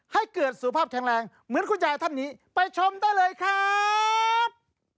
ให้เกิดสุขภาพแข็งแรงเหมือนคุณยายท่านนี้ไปชมได้เลยครับ